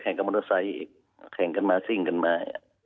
กับมอเตอร์ไซค์อีกแข่งกันมาซิ่งกันมา